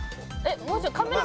もうちょいカメラ